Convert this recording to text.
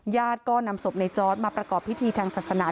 ญาติก็นำศพในจอร์ดมาประกอบพิธีทางศาสนา